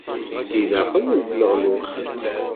Si daxel n tleɣluɣt.